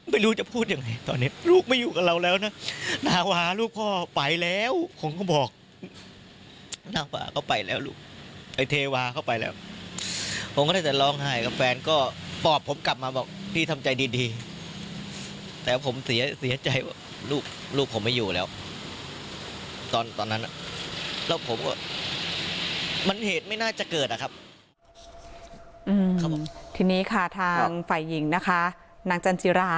ไม่รู้จะพูดยังไงตอนนี้ลูกไม่อยู่กับเราแล้วน่ะนาวาลูกพ่อไปแล้วผมก็บอกนาวาเขาไปแล้วลูกไอ้เทวาเขาไปแล้วผมก็ได้แต่ร้องไห้กับแฟนก็ปอบผมกลับมาบอกพี่ทำใจดีดีแต่ผมเสียเสียใจว่าลูกลูกผมไม่อยู่แล้วตอนตอนนั้นอ่ะแล้วผมก็มันเหตุไม่น่าจะเกิดอ่ะครับทีนี้ค่ะทางไฟหญิงนะคะ